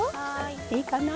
いいかな？